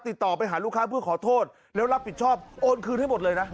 ติดต่อไปหาลูกค้าเพื่อขอโทษแล้วรับผิดชอบโอนคืนให้หมดเลยนะ